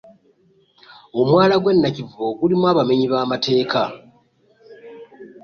Omwala gwe nakivubo gulimu abamemyi bamateka.